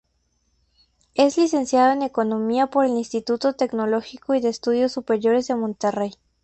Es licenciado en Economía por el Instituto Tecnológico y de Estudios Superiores de Monterrey.